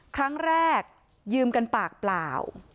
ครั้งแรกยืมกับปากเปล่า